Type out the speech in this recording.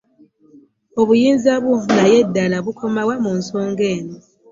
Obuyinza bwo naye ddala bjkoma wa mu nsonga eno?